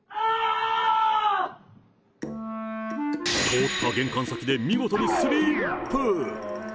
凍った玄関先で見事にスリップ。